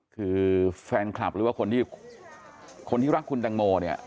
คือแฟนคลับหรือคนที่รักคุณแต่งโม